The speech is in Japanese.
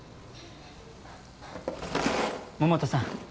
桃田さん